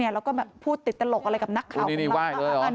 แล้วก็พูดติดตลกอะไรกับนักข่าวของเรา